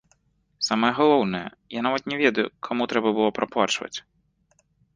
Самае галоўнае, я нават не ведаю, каму трэба было праплачваць.